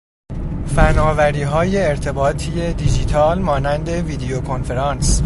فنآوریهای ارتباطی دیجیتال مانند ویدیو کنفرانس